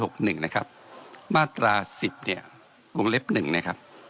หกหนึ่งนะครับมาตราสิบเนี่ยวงเล็บหนึ่งนะครับ